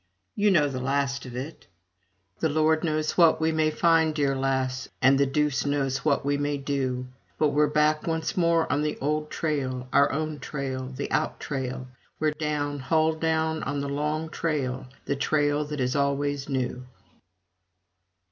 You know the last of it: The Lord knows what we may find, dear lass, And the Deuce knows what we may do But we're back once more on the old trail, our own trail, the out trail, We're down, hull down, on the Long Trail the trail that is always new!